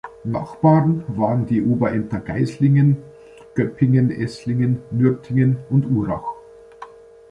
Nachbarn waren die Oberämter Geislingen, Göppingen, Eßlingen, Nürtingen und Urach.